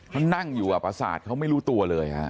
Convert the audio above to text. เขานั่งอยู่ประสาทเขาไม่รู้ตัวเลยฮะ